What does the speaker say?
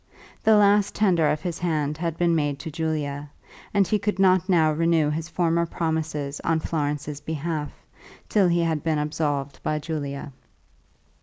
The last tender of his hand had been made to Julia, and he could not renew his former promises on Florence's behalf, till he had been absolved by Julia.